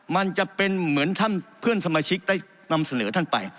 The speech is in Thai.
มันจะเป็นเหมือนท่านเพื่อนสมาชิกได้นำเสนอท่านไป